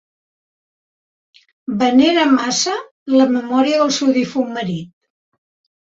Venera massa la memòria del seu difunt marit.